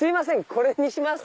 これにします。